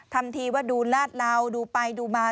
ทำทีว่าดูลาดเหลาดูไปดูมา